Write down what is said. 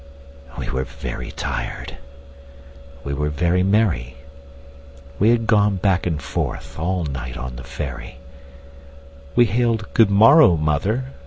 We were very tired, we were very merry, We had gone back and forth all night on the ferry, We hailed "Good morrow, mother!"